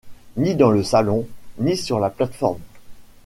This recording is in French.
ni dans le salon, ni sur la plate-forme.